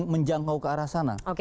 menjangkau ke arah sana